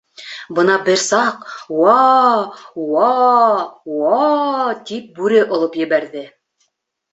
Бына бер саҡ уа-уа-уа тип бүре олоп ебәрҙе.